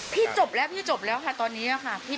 จบแล้วพี่จบแล้วค่ะตอนนี้ค่ะ